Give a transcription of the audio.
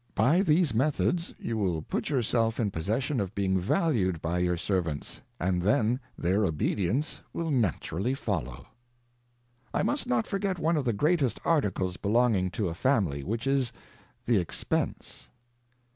By these Methods you will put your self in possession of being valued by your Servants, and then their Obedience will naturally follow. I must not forget one of the greatest Articles belonging to a Family, which is the Expence.